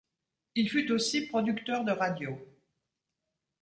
Il fut aussi producteur de radio.